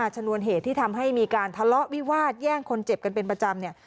ชนวนเหตุที่ทำให้มีการทะเลาะวิวาดแย่งคนเจ็บกันเป็นประจำเนี่ย